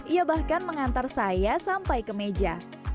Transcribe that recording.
ia bahkan mengantar saya sampai ke meja